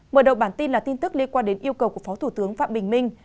mở đầu bản tin là tin tức liên quan đến yêu cầu của phó thủ tướng phạm bình minh